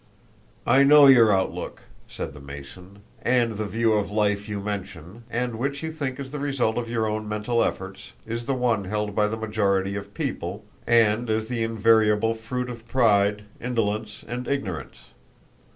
"I know your outlook," said the Mason, "and the view of life you mention, and which you think is the result of your own mental efforts, is the one held by the majority of people, and is the invariable fruit of pride, indolence, and ignorance.